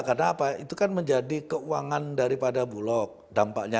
karena apa itu kan menjadi keuangan daripada bulok dampaknya